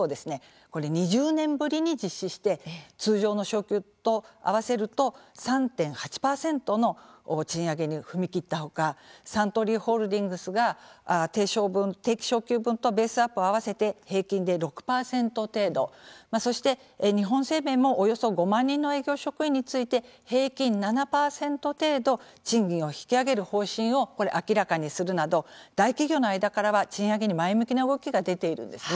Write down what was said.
これ２０年ぶりに実施して通常の昇給と合わせると３．８％の賃上げに踏み切ったほかサントリーホールディングスが定期昇給分とベースアップを合わせて平均で６％程度そして日本生命もおよそ５万人の営業職員について平均７％程度賃金を引き上げる方針をこれ明らかにするなど大企業の間からは賃上げに前向きな動きが出ているんですね。